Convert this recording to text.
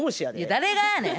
誰がやねん。